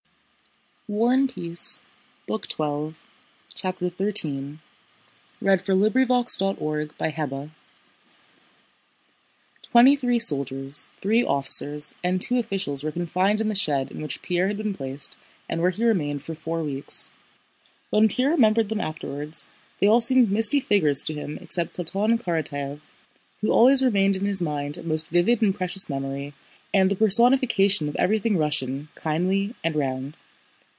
his soul with a new beauty and on new and unshakable foundations. CHAPTER XIII Twenty three soldiers, three officers, and two officials were confined in the shed in which Pierre had been placed and where he remained for four weeks. When Pierre remembered them afterwards they all seemed misty figures to him except Platón Karatáev, who always remained in his mind a most vivid and precious memory and the personification of everything Russian, kindly, and round.